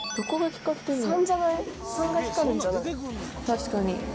確かに。